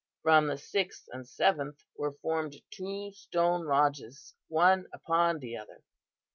From the sixth and seventh were formed two stone lodges, one upon the other.